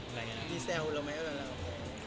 มีแซวหรือไม่หรือ